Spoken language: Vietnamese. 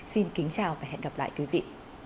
xin kính chào và hẹn gặp lại quý vị